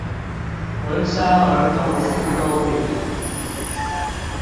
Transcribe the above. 文山兒童四公園